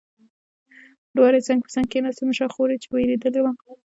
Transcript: دواړې څنګ په څنګ کېناستې، مشره خور یې چې وېرېدلې وه.